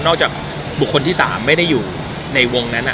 จากบุคคลที่๓ไม่ได้อยู่ในวงนั้น